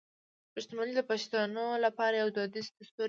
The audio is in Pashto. پښتونولي د پښتنو لپاره یو دودیز دستور دی.